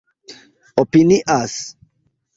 opinias